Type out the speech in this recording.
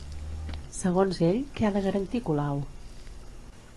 Segons ell, què ha de garantir Colau?